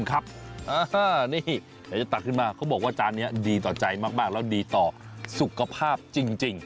เขาบอกว่าจานนี้ดีต่อใจมากแล้วดีต่อสุขภาพจริง